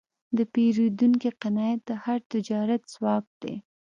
د پیرودونکي قناعت د هر تجارت ځواک دی.